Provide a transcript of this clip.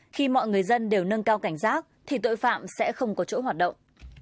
khi mọi người dân đều nâng cao cảnh giác thì tội phạm sẽ không có chỗ hoạt động